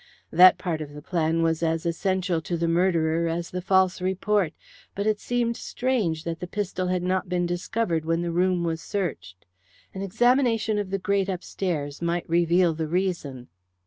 That part of the plan was as essential to the murderer as the false report, but it seemed strange that the pistol had not been discovered when the room was searched. An examination of the grate upstairs might reveal the reason.